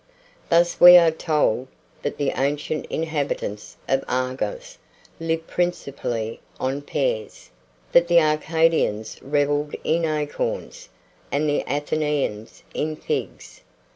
Thus we are told, that the ancient inhabitants of Argos lived principally on pears; that the Arcadians revelled in acorns, and the Athenians in figs.